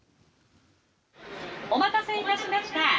お待たせいたしました。